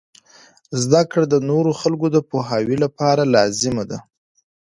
زده کړه د نورو خلکو د پوهاوي لپاره لازم دی.